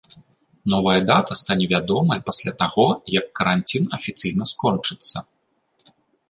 Новая дата стане вядомая пасля таго, як каранцін афіцыйна скончыцца.